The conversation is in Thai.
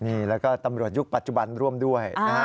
นี่แล้วก็ตำรวจยุคปัจจุบันร่วมด้วยนะฮะ